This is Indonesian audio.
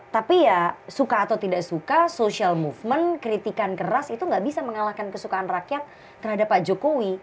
tapi ya suka atau tidak suka social movement kritikan keras itu nggak bisa mengalahkan kesukaan rakyat terhadap pak jokowi